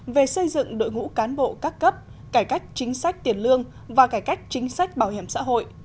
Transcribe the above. về xây dựng đội ngũ cán bộ các cấp cải cách chính sách tiền lương và cải cách chính sách bảo hiểm xã hội